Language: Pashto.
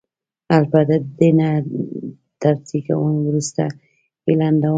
البته د دې تر زېږون وروسته یې لنډوم.